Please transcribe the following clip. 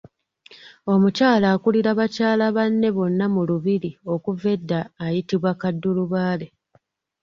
Omukyala akulira bakyala banne bonna mu Lubiri okuva edda ayitibwa Kaddulubaale.